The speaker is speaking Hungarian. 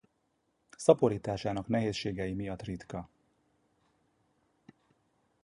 Szaporításának nehézségei miatt ritka.